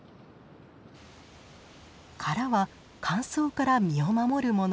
殻は乾燥から身を守るもの。